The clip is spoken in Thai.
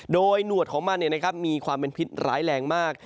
โดยหนวดของมันมีความเป็นพิษร้ายแรงมาก